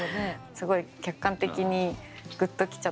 すごい客観的にグッときちゃって。